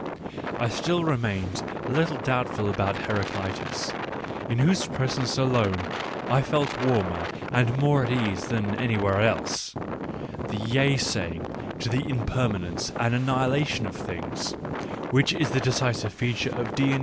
I still remained a little doubtful about Heraclitus, in whose presence, alone, I felt warmer and more at ease than anywhere else. The yea saying to the impermanence and annihilation of things, which is the decisive feature of a Diony^ * Aristotle's Poetics^ c.